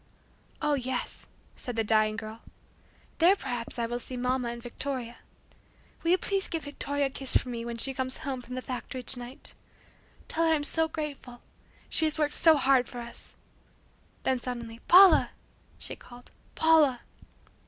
"Oh, yes," said the dying girl. "There perhaps I will see Mamma and Victoria. Will you please give Victoria a kiss for me when she comes home from the factory tonight Tell her I'm so grateful; she has worked so hard for us!" Then suddenly "Paula!" she called "Paula!"